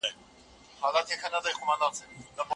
خپل ذهن به د منفي خبرونو څخه لري ساتئ.